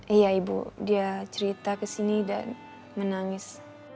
iya ibu dia cerita kesini dan menangis